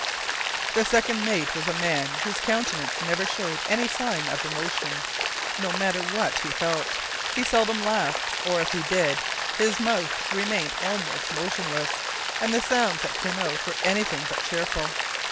The second mate was a man whose countenance never showed any signs of emotion, no matter what he felt. He seldom laughed, or, if he did, his mouth remained almost motionless, and the sounds that came out were anything but cheerful.